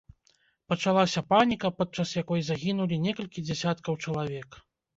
Пачалася паніка, падчас якой загінулі некалькі дзясяткаў чалавек.